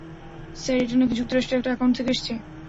Sir, এটা নাকি যুক্তরাষ্ট্রের একটা অ্যাকাউন্ট থেকে এসেছে।